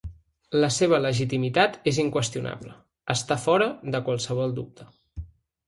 La seva legitimitat és inqüestionable, està fora de qualsevol dubte.